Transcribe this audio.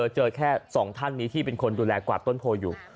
เจอแค่สองท่านนี้ที่เป็นคนดูแลกวาดต้นโพอยู่